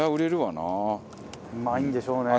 うまいんでしょうね。